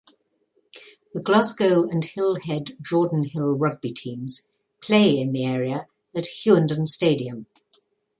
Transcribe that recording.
The Glasgow and Hillhead-Jordanhill rugby teams play in the area at "Hughenden Stadium".